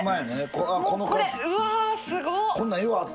うわすごっ！